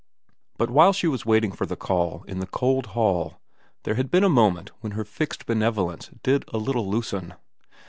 But while she was waiting for the call in the cold hall there had been a moment when her fixed benevolence did a little loosen.